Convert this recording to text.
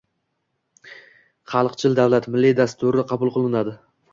“Xalqchil davlat” milliy dasturi qabul qilinadi.